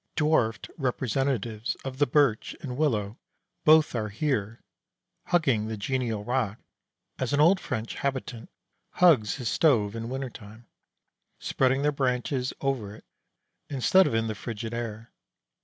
Dwarfed representatives of the birch and willow both are here, hugging the genial rock, as an old French habitant hugs his stove in winter time, spreading their branches over it, instead of in the frigid air.